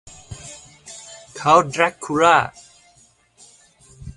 เค้าแดรกคูล่า